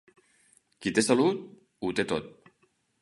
Qui té salut, ho té tot.